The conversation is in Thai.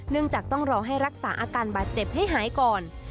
จากต้องรอให้รักษาอาการบาดเจ็บให้หายก่อน